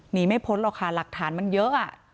ไม่พ้นหรอกค่ะหลักฐานมันเยอะ